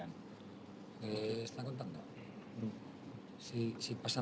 hansamo bisa main di semifinal